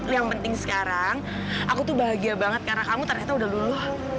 yang penting sekarang aku tuh bahagia banget karena kamu ternyata udah luluh